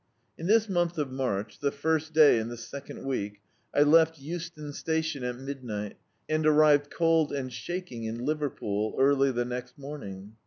In this mMith of March, the first day in the second week, I left Euston Station at midni^t, and arrived cold and shaking in Liverpool, early the next morn ing.